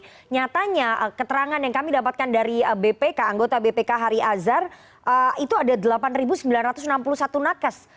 tapi nyatanya keterangan yang kami dapatkan dari bpk anggota bpk hari azhar itu ada delapan sembilan ratus enam puluh satu nakes